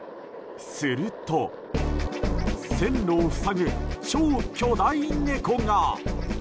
すると線路を塞ぐ超巨大猫が！